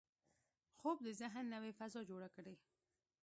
خوب د ذهن نوې فضا جوړه کړي